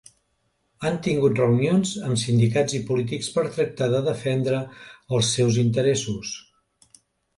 Han tingut reunions amb sindicats i polítics per tractar de defendre els seus interessos.